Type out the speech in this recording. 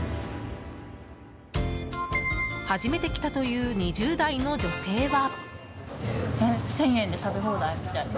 初めて来たという２０代の女性は。